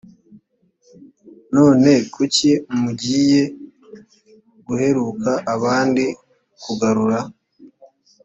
none kuki mugiye guheruka abandi kugarura